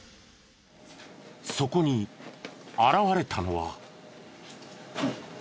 そこに現れたのは。